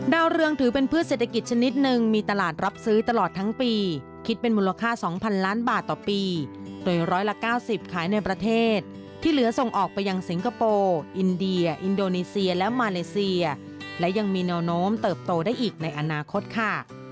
ดาวเรืองถือเป็นพืชเศรษฐกิจชนิดหนึ่งมีตลาดรับซื้อตลอดทั้งปีคิดเป็นมูลค่า๒๐๐๐ล้านบาทต่อปีโดยร้อยละ๙๐ขายในประเทศที่เหลือส่งออกไปยังสิงคโปร์อินเดียอินโดนีเซียและมาเลเซียและยังมีแนวโน้มเติบโตได้อีกในอนาคตค่ะ